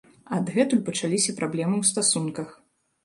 Адгэтуль пачаліся праблемы ў стасунках.